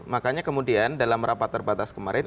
makanya kemudian dalam rapat terbatas kemarin